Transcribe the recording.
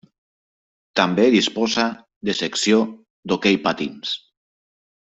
També disposa de secció d'hoquei patins.